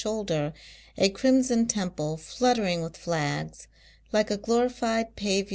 shoulder a crimson temple fluttering with Hags, like a glorified }):ivi